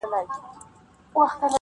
د چمن هغه کونج چي په ځنګله ننوتلی -